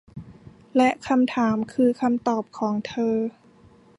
และคำถามคือคำตอบของเธอ